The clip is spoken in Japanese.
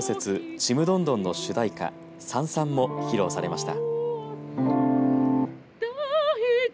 ちむどんどんの主題歌、燦燦も披露されました。